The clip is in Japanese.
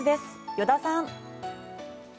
依田さん。